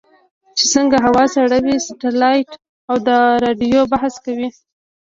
چې څنګه هوا سړوي سټلایټ او د رادیو بحث کوي.